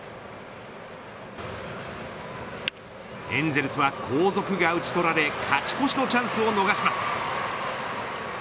エンゼルスは後続が打ち取られ勝ち越しのチャンスを逃します。